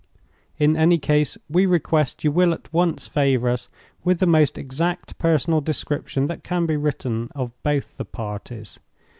"In any case, we request you will at once favor us with the most exact personal description that can be written of both the parties.